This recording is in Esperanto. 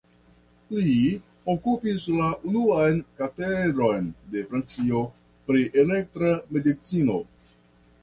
Li okupis la unuan katedron de Francio pri elektra medicino.